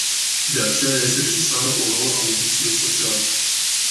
De aceea este necesară o nouă ambiție socială.